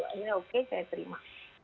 akhirnya oke saya terima